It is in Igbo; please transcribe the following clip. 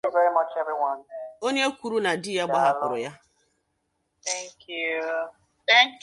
onye kwuru na di ya gbahapụrụ ya